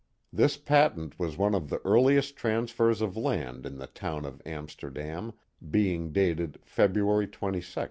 This patent was one of the earliest transfers of land in the town of Amsterdam, being 'dated February 22, 1706.